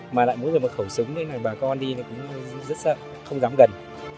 mà lại mỗi người một khẩu súng bà con đi cũng rất là không dám gần